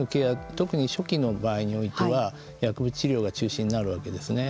特に初期の場合においては薬物治療が中心になるわけですね。